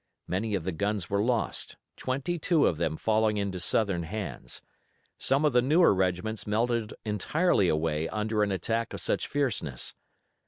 Many of the guns were lost, twenty two of them falling into Southern hands. Some of the newer regiments melted entirely away under an attack of such fierceness.